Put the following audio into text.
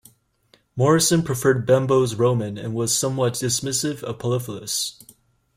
Morison preferred Bembo's roman and was somewhat dismissive of Poliphilus.